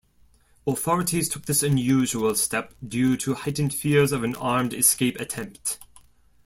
Authorities took this unusual step due to heightened fears of an armed escape attempt.